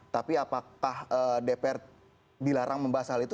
tapi apakah dpr dilarang membahas hal itu